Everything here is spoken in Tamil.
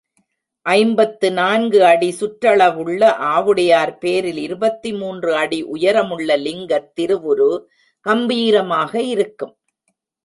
ஐம்பத்து நான்கு அடி சுற்றளவுள்ள ஆவுடையார் பேரில் இருபத்து மூன்று அடி உயரமுள்ள லிங்கத் திருவுரு கம்பீரமாக இருக்கும்.